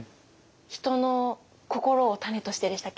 「人の心を種として」でしたっけ。